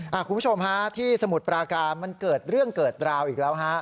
คุณผู้ชมฮะที่สมุทรปราการมันเกิดเรื่องเกิดราวอีกแล้วฮะ